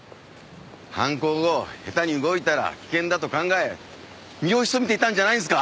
犯行後下手に動いたら危険だと考え身を潜めていたんじゃないんですか？